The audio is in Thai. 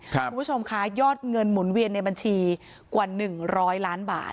คุณผู้ชมคะยอดเงินหมุนเวียนในบัญชีกว่า๑๐๐ล้านบาท